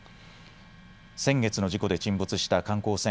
先月の事故で沈没した観光船